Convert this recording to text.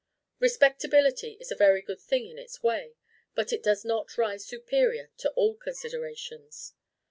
Respectability is a very good thing in its way, but it does not rise superior to all considerations.